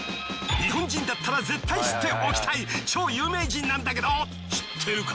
日本人だったら絶対知っておきたい超有名人なんだけど知ってるか？